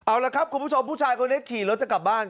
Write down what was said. เอาละครับคุณผู้ชมผู้ชายคนนี้ขี่รถจะกลับบ้าน